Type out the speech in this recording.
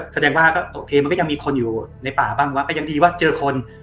แสดงว่าก็โอเคมันก็ยังมีคนอยู่ในป่าบ้างวะก็ยังดีว่าเจอคน